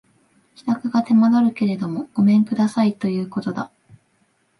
支度が手間取るけれどもごめん下さいとこういうことだ